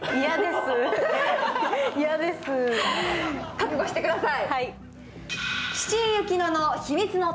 覚悟してください。